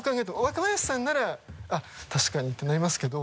若林さんなら「確かに」ってなりますけど。